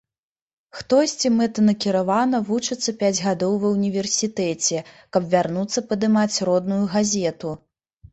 Хтосьці мэтанакіравана вучыцца пяць гадоў ва ўніверсітэце, каб вярнуцца падымаць родную газету.